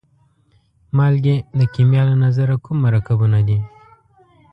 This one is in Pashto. مالګې د کیمیا له نظره کوم مرکبونه دي؟